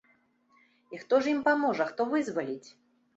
І хто ж ім паможа, хто вызваліць?